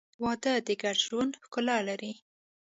• واده د ګډ ژوند ښکلا لري.